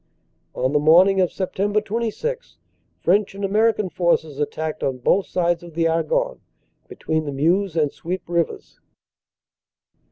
"On the morning of Sept. 26 French and American forces attacked on both sides of the Argonne, between the Meuse and Suippe rivers.